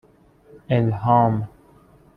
الهام